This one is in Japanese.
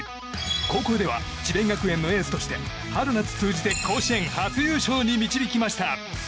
高校では智弁学園のエースとして春夏通じて甲子園初優勝に導きました。